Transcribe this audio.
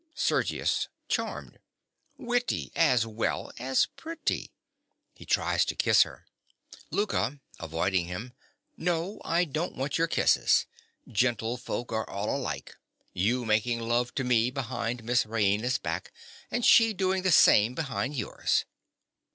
SERGIUS. (charmed). Witty as well as pretty. (He tries to kiss her.) LOUKA. (avoiding him). No, I don't want your kisses. Gentlefolk are all alike—you making love to me behind Miss Raina's back, and she doing the same behind yours.